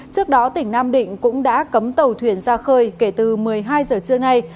trước đó tỉnh nam định cũng đã cấm tàu thuyền ra khơi kể từ một mươi hai giờ trưa nay